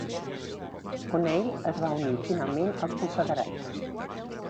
O'Neill es va unir finalment als Confederats.